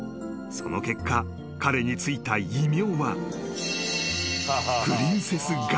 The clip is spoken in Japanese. ［その結果彼に付いた異名は］